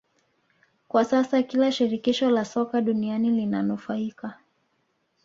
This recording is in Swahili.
Kwa sasa kila shirikisho la soka duniani linanufaika